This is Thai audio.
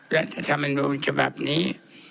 รัฐธรรมนูญฉบับนี้